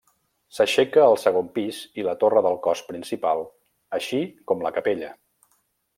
S'aixeca el segon pis i la torre del cos principal, així com la capella.